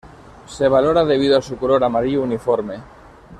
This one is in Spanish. Se valora debido a su color amarillo uniforme.